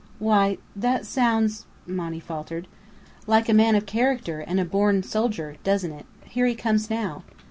"Why, that sounds " Monny faltered. "Like a man of character, and a born soldier, doesn't it? Here he comes now."